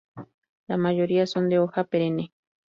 La mayoría son de hoja perenne.